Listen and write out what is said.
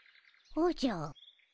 おじゃ。